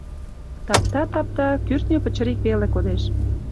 Тапта-тапта, кӱртньӧ пычырик веле кодеш.